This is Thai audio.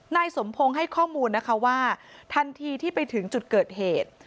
นายสมพงศ์ให้ข้อมูลนะคะว่าทันทีที่ไปถึงจุดเกิดเหตุ